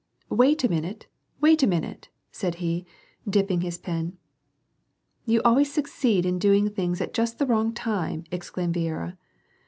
" Wait a minute, wait a minute," said he, dipping his pen, "You always succeed in doing things at just the wrong time," exclaimed Viera.